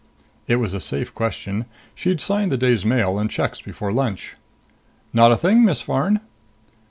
It was a safe question. She'd signed the day's mail and checks before lunch. "Not a thing, Miss Farn."